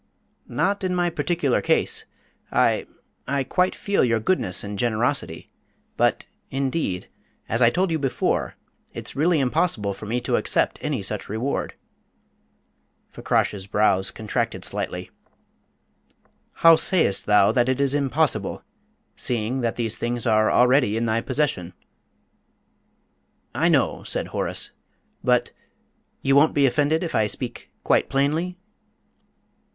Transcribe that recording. "Not in my particular case. I I quite feel your goodness and generosity; but, indeed, as I told you before, it's really impossible for me to accept any such reward." Fakrash's brows contracted slightly. "How sayest thou that it is impossible seeing that these things are already in thy possession?" "I know," said Horace; "but you won't be offended if I speak quite plainly?"